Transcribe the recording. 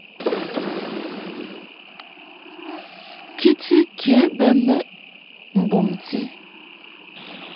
Kiti ke bɛ mɛʼ mbumti.